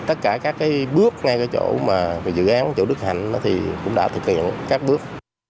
tất cả các cái bước ngay cái chỗ mà dự án chỗ đức hạnh thì cũng đã thực hiện các bước